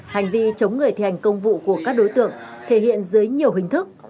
hành vi chống người thi hành công vụ của các đối tượng thể hiện dưới nhiều hình thức